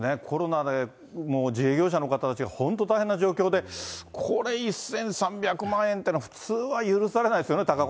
コロナでもう自営業者の方、本当、大変な状況で、これ、１３００万円っていうのは普通は許されない